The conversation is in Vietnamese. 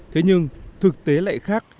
thế nhưng thực tế lại khác